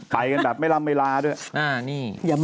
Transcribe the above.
ไปกันแบบไม่ร่ำเวลาด้วย